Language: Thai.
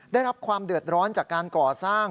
ได้รับความเดือดร้อนจากการก่อสร้าง